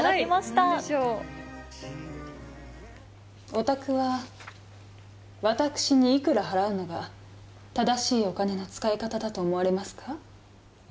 おたくは私にいくら払うのが正しいお金の使い方だと思われますか？